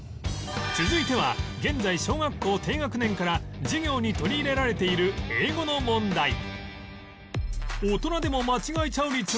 続いては現在小学校低学年から授業に取り入れられている英語の問題